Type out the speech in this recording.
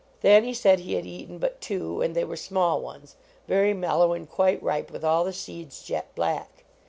Thanny said he had eaten but two, and they were Miiall ones, very mellow and quite ripe, with all the seeds jet black.